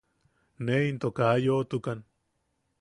Ne into ka yoʼotukan.